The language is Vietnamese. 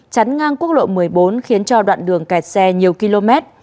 chắn ngang quốc lộ một mươi bốn khiến cho đoạn đường kẹt xe nhiều km